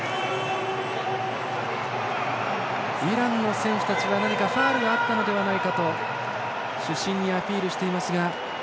イランの選手たちは何かファウルがあったのではと主審にアピールしていますが。